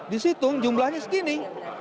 di sintung jumlahnya segini